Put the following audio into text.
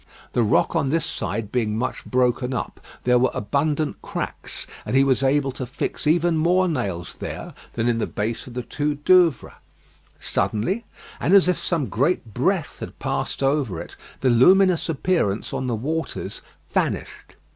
The rock on this side being much broken up, there were abundant cracks, and he was able to fix even more nails there than in the base of the two Douvres. Suddenly, and as if some great breath had passed over it, the luminous appearance on the waters vanished.